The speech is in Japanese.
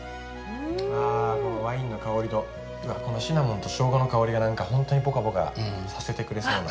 あこのワインの香りとこのシナモンとショウガの香りがほんとにポカポカさせてくれそうな。